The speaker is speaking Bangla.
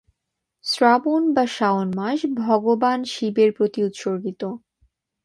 শ্রাবণ বা শাওন মাস ভগবান শিবের প্রতি উৎসর্গিত।